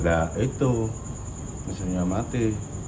nggak itu mesinnya mati